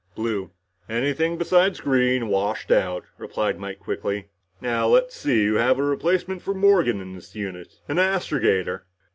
"Blue." "Anything besides green washed out," replied Mike quickly. "Now let's see, you have a replacement for Morgan in this unit. An astrogator."